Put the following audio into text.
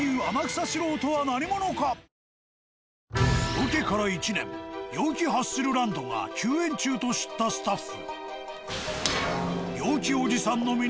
ロケから１年陽気ハッスルランドが休園中と知ったスタッフ。